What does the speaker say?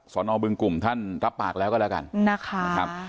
สนบึงกลุ่มท่านรับปากแล้วก็แล้วกันนะคะ